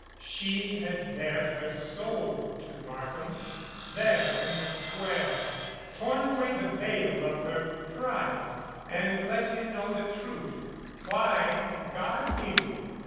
She had bared her soul to Markham, there in the Square, torn away the veil of her pride and let him know the truth. Why, God knew.